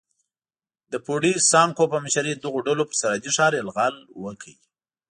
د فوډي سانکو په مشرۍ دغو ډلو پر سرحدي ښار یرغل وکړ.